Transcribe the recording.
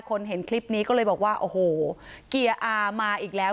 เห็นคลิปนี้ก็เลยบอกว่าโอ้โหเกียร์อามาอีกแล้ว